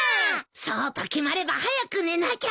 そうと決まれば早く寝なきゃ。